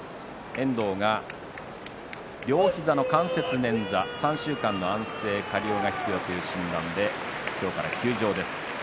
遠藤が両膝の関節捻挫３週間の安静、加療が必要という診断で今日から休場です。